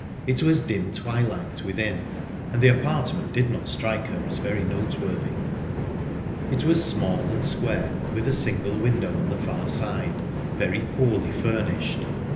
It was dim twilight within, and the apartment did not strike her as very noteworthy. It was small and square, with a single window on the far side; very poorly furnished.